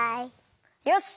よし！